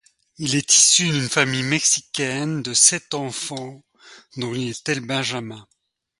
Il est issu d'une famille mexicaine de sept enfants dont il était le benjamin.